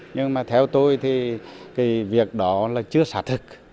nhưng mà theo tôi thì việc đó là chưa xả thực